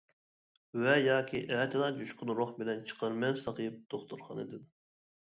ۋە ياكى ئەتىلا جۇشقۇن روھ بىلەن چىقارمەن ساقىيىپ دوختۇرخانىدىن.